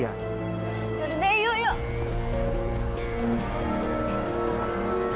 yaudah deh yuk yuk